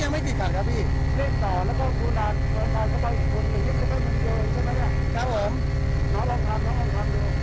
เฮทต่อและก็คือนาน